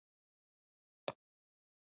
د پنیر او شیدو په تولید کې پرمختګ شو.